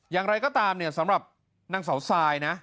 อย่างไรก็ตามเนี่ยสำหรับนางเสาทรายนะ